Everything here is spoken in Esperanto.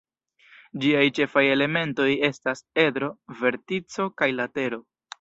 Ĝiaj ĉefaj elementoj estas: edro, vertico kaj latero.